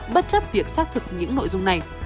bất chấp việc xác thực những nội dung này